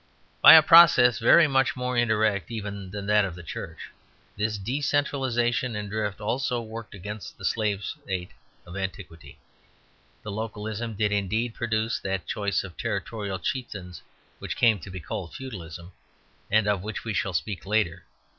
By a process very much more indirect even than that of the Church, this decentralization and drift also worked against the slave state of antiquity. The localism did indeed produce that choice of territorial chieftains which came to be called Feudalism, and of which we shall speak later.